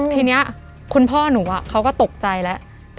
ทีนี้คุณพ่อหนูเขาก็ตกใจแล้ว